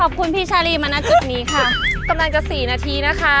พี่ชาลีมาณจุดนี้ค่ะกำลังจะสี่นาทีนะคะ